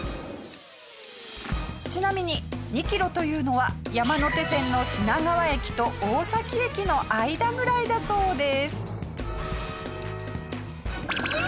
ちなみに２キロというのは山手線の品川駅と大崎駅の間ぐらいだそうです。